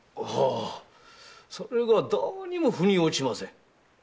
はあそれがどうにも腑に落ちません。